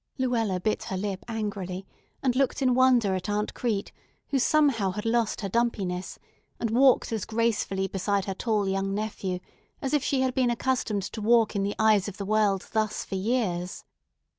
Luella bit her lip angrily, and looked in wonder at Aunt Crete, who somehow had lost her dumpiness, and walked as gracefully beside her tall young nephew as if she had been accustomed to walk in the eyes of the world thus for years.